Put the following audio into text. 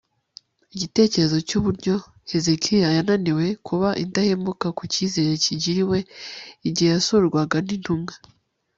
igitekerezo cyuburyo hezekiya yananiwe kuba indahemuka ku cyizere yagiriwe igihe yasurwaga n'intumwa